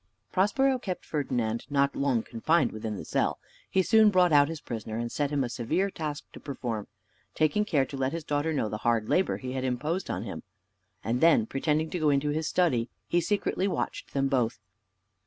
Prospero kept Ferdinand not long confined within the cell: he soon brought out his prisoner, and set him a severe task to perform, taking care to let his daughter know the hard labor he had imposed on him, and then pretending to go into his study, he secretly watched them both.